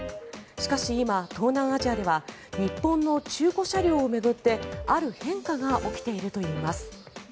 しかし今、東南アジアでは日本の中古車両を巡ってある変化が起きているといいます。